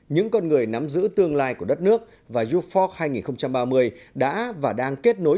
những con người nắm giữ tương lai của đất nước và youfforce hai nghìn ba mươi đã và đang kết nối